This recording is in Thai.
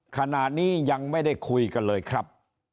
ขณะนี้ยังไม่ได้คุยกันเลยครับ